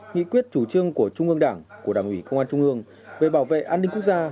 nghị quyết chủ trương của trung ương đảng của đảng ủy công an trung ương về bảo vệ an ninh quốc gia